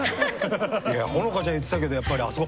いや炎伽ちゃん言ってたけどやっぱりあそこ。